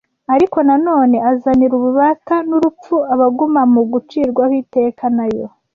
Ariko na none azanira ububata n’urupfu abaguma mu gucirwaho iteka na yo.